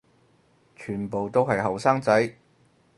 全部都係後生仔